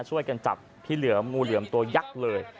ช่วยกันจับพี่เหลือมงูเหลือมตัวยักษ์เลย